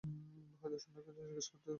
হয়তো স্বর্গকে জিগ্যেস করতে পারেন কি দেখেছিল।